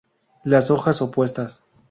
Las hojas opuestas.